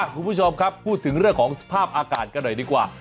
คุณผู้ชมครับพูดถึงเรื่องของสภาพอากาศกันหน่อยดีกว่า